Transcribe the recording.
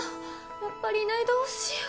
やっぱりいないどうしよう。